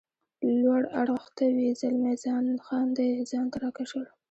لوړ اړخ ته وي، زلمی خان دی ځان ته را کش کړ.